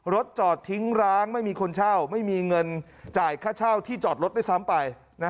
จอดทิ้งร้างไม่มีคนเช่าไม่มีเงินจ่ายค่าเช่าที่จอดรถด้วยซ้ำไป